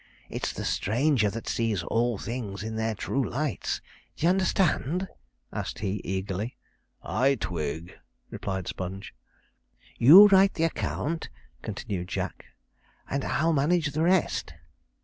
It's the stranger that sees all things in their true lights. D'ye understand?' asked he eagerly. 'I twig,' replied Sponge. 'You write the account,' continued Jack, 'and I'll manage the rest.'